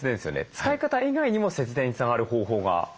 使い方以外にも節電につながる方法があるようですね？